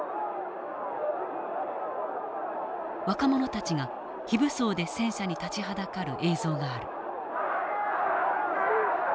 若者たちが非武装で戦車に立ちはだかる映像がある。